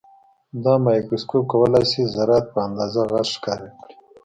دا مایکروسکوپ کولای شي ذرات په اندازه غټ ښکاره کړي.